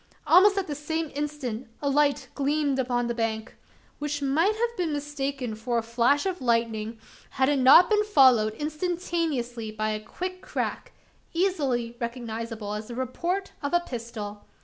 Almost at the same instant a light gleamed along the bank which might have been mistaken for a flash of lightning, had it not been followed instantaneously by a quick crack easily recognisable as the report of a pistol!